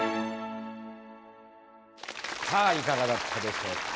さあいかがだったでしょうか？